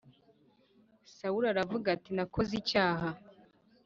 Sawuli aravuga ati “Nakoze icyaha.